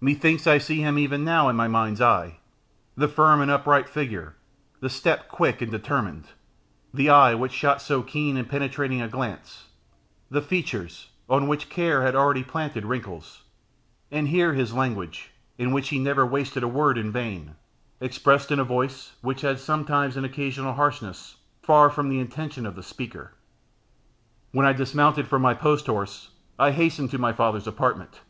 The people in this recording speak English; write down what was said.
Methinks I see him even now in my mind's eye; the firm and upright figure, the step, quick and determined, the eye, which shot so keen and so penetrating a glance, the features, on which care had already planted wrinkles, and hear his language, in which he never wasted word in vain, expressed in a voice which had sometimes an occasional harshness, far from the intention of the speaker. When I dismounted from my post horse, I hastened to my father's apartment.